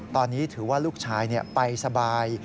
ตอนนี้ถือว่าลูกชายไปสบาย